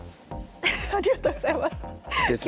ありがとうございます。ですね。